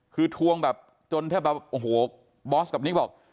คือทวงแบบบอสกับนิ๊กบอก